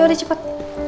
ya udah cepet